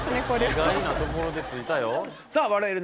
意外なところでついたよさあ「笑える！